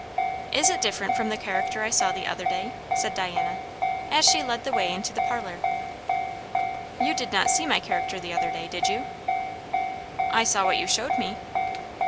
"Is it different from the character I saw the other day?" said Diana, as she led the way into the parlour. "You did not see my character the other day, did you?" "I saw what you showed me!"